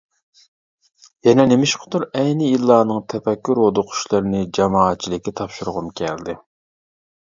يەنە نېمىشقىدۇر ئەينى يىللارنىڭ تەپەككۇر ھودۇقۇشلىرىنى جامائەتچىلىككە تاپشۇرغۇم كەلدى.